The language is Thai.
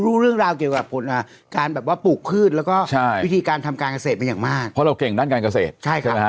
รู้เรื่องราวเกี่ยวกับการปลูกขึ้นแล้วก็วิธีการทำการเกษตรมันอย่างมากเพราะเราเก่งด้านการเกษตร